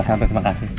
sangat terima kasih